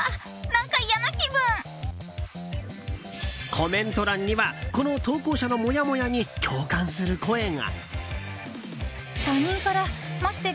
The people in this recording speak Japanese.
コメント欄にはこの投稿者のモヤモヤに共感する声が。